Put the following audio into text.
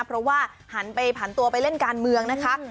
เพราะว่าหันไปผันตัวไปเล่นการเมืองนะคะ